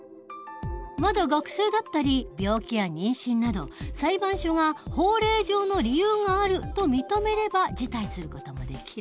まだ学生だったり病気や妊娠など裁判所が法令上の理由があると認めれば辞退する事もできる。